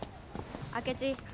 明智。